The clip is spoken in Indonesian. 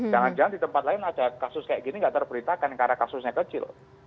jangan jangan di tempat lain ada kasus kayak gini nggak terberitakan karena kasusnya kecil